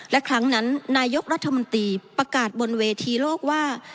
และครั้งนั้นนายกรัฐมนตรีประกาศบนเวทีโลกว่า